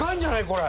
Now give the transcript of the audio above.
これ。